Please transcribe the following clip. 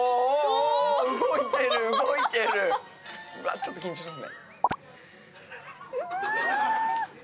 ちょっと緊張しますね。